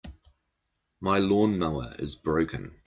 My lawn-mower is broken.